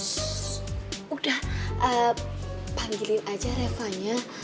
shhh udah panggilin aja revanya